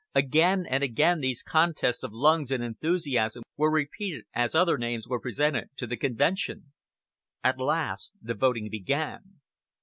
Again and again these contests of lungs and enthusiasm were repeated as other names were presented to the convention. At last the voting began.